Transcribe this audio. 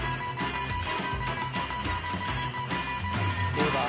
どうだ？